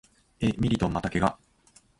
え、ミリトンまた怪我？